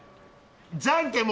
じゃんけん